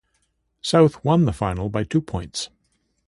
South won the final by two points.